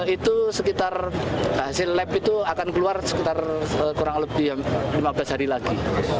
itu sekitar hasil lab itu akan keluar sekitar kurang lebih lima belas hari lagi